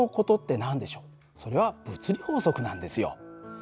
それは物理法則なんですよ。